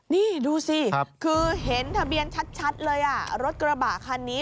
นี่ดูสิคือเห็นทะเบียนชัดเลยอ่ะรถกระบะคันนี้